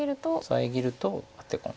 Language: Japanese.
遮るとアテ込んで。